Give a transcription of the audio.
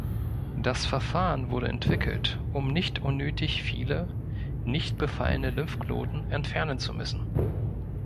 Das Verfahren wurde entwickelt, um nicht unnötig viele, nicht befallene Lymphknoten entfernen zu müssen.